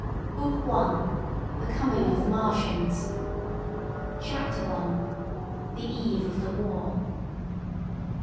BOOK ONE THE COMING OF THE MARTIANS I. THE EVE OF THE WAR.